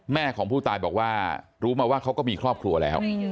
แม่ของผู้ตายบอกว่ารู้มาว่าเขาก็มีครอบครัวแล้ว